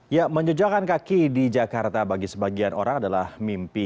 ya menjejakan kaki di jakarta bagi sebagian orang adalah mimpi